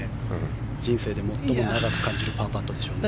人生で最も長く感じるパーパットでしょうね。